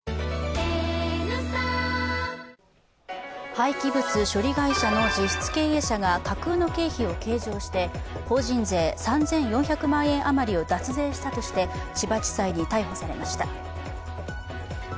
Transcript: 廃棄物処理会社の実質経営者が架空の経費を計上して法人税３４００万円余りを脱税したとして千葉地裁に逮捕されました。